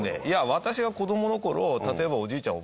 私が子供の頃例えばおじいちゃん